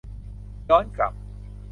ย้อนกลับ